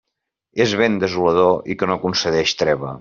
És vent desolador i que no concedeix treva.